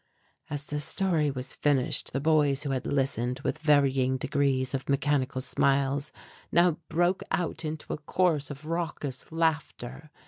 As the story was finished the boys who had listened with varying degrees of mechanical smiles now broke out into a chorus of raucous laughter.